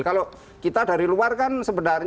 kalau kita dari kinerja itu kita bisa menghormati